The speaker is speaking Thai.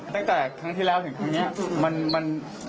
ตั้งแต่ครั้งที่แล้วถึงครั้งนี้